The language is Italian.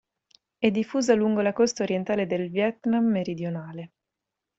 È diffusa lungo la costa orientale del Vietnam meridionale.